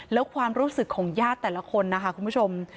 แล้วความรู้สึกของญาติแต่ละคนนะคะคุณผู้ชม